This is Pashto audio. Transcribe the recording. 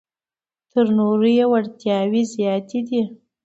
تر نورو یې وړتیاوې زیاتې دي.